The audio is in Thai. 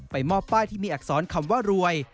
มอบป้ายที่มีอักษรคำว่ารวย